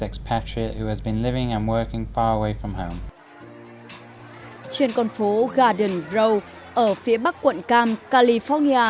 ở phía bắc quận cam california